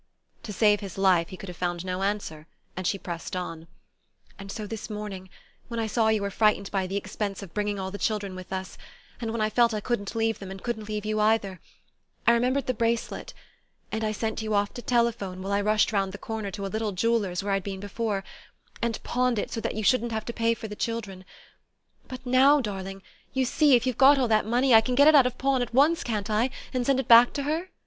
To save his life he could have found no answer, and she pressed on: "And so this morning, when I saw you were frightened by the expense of bringing all the children with us, and when I felt I couldn't leave them, and couldn't leave you either, I remembered the bracelet; and I sent you off to telephone while I rushed round the corner to a little jeweller's where I'd been before, and pawned it so that you shouldn't have to pay for the children.... But now, darling, you see, if you've got all that money, I can get it out of pawn at once, can't I, and send it back to her?"